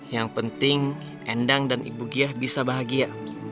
yang penting endang dan ibu giyah bisa bahagia